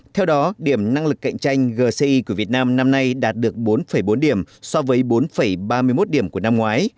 theo đó điểm năng lực cạnh tranh gci của việt nam năm nay đạt được bốn bốn điểm so với bốn ba mươi một điểm của năm ngoái